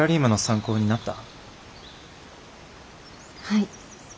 はい。